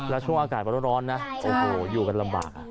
แล้วช่วงอากาศร้อนนะโอ้โหอยู่กันลำบาก